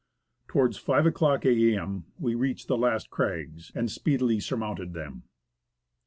Towards 5 o'clock a.m. we reached the last crags, and speedily surmounted them.